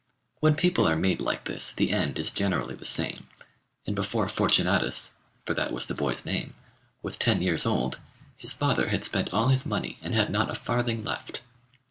When people are made like this the end is generally the same, and before Fortunatus (for that was the boy's name) was ten years old, his father had spent all his money and had not a farthing left.